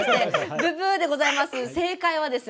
ブブーでございます。